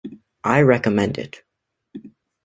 I recommend it.